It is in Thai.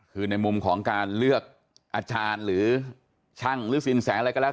คือในมุมของการเลือกอาจารย์หรือช่างหรือสินแสงอะไรก็แล้ว